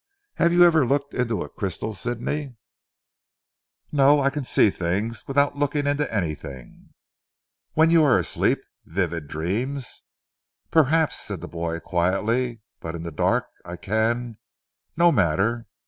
"Have you ever looked into a crystal Sidney." "No, I can see things without looking into anything." "When you are asleep? Vivid dreams?" "Perhaps," said the boy quietly, "but in the dark I can no matter.